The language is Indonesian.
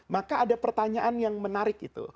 maka ada pertanyaan yang menarik itu